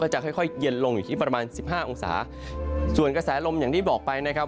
จะค่อยค่อยเย็นลงอยู่ที่ประมาณสิบห้าองศาส่วนกระแสลมอย่างที่บอกไปนะครับ